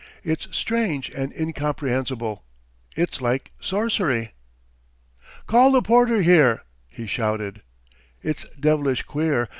"It's strange and incomprehensible! It's like sorcery!" "Call the porter here!" he shouted. "It's devilish queer!